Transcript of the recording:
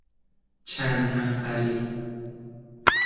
چند همسری